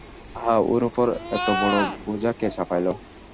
আহা, ওর উপরে এতবড়ো বোঝা কে চাপাইল!